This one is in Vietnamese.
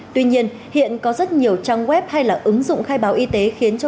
tuy nhiên hiện có rất nhiều trang web hay là ứng dụng khai báo y tế khiến cho